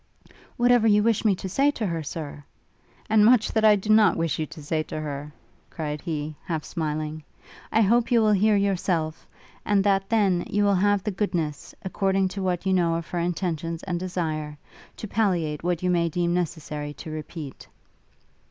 'Whatever you wish me to say to her, Sir, ' 'And much that I do not wish you to say to her,' cried he, half smiling, 'I hope you will hear yourself! and that then, you will have the goodness, according to what you know of her intentions and desire, to palliate what you may deem necessary to repeat.'